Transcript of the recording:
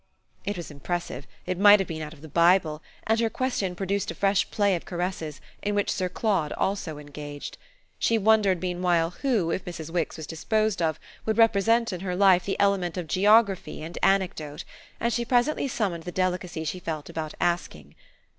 It was impressive, it might have been out of the Bible, and her question produced a fresh play of caresses, in which Sir Claude also engaged. She wondered meanwhile who, if Mrs. Wix was disposed of, would represent in her life the element of geography and anecdote; and she presently surmounted the delicacy she felt about asking.